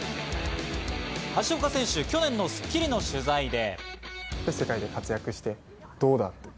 橋岡選手、去年の『スッキリ』の取材で。